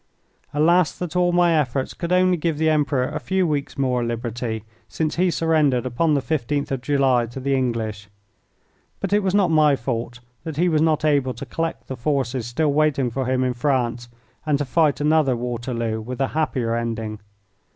Alas! that all my efforts could only give the Emperor a few weeks more liberty, since he surrendered upon the 15th of July to the English. But it was not my fault that he was not able to collect the forces still waiting for him in France, and to fight another Waterloo with a happier ending.